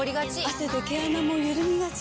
汗で毛穴もゆるみがち。